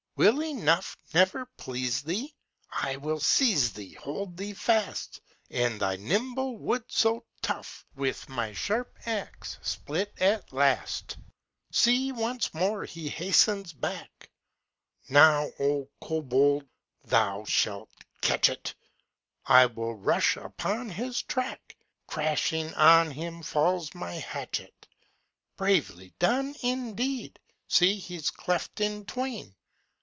Will enough Never please thee? I will seize thee, Hold thee fast, And thy nimble wood so tough, With my sharp axe split at last. See, once more he hastens back! Now, oh Cobold, thou shalt catch it! I will rush upon his track; Crashing on him falls my hatchet. Bravely done, indeed! See, he's cleft in twain!